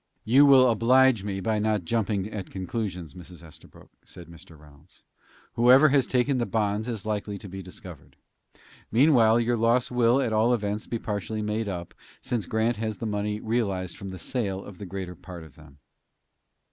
"You will oblige me by not jumping at conclusions, Mrs. Estabrook," said Mr. Reynolds. "Whoever has taken the bonds is likely to be discovered. Meanwhile your loss will, at all events, be partially made up, since Grant has the money realized from the sale of the greater part of them."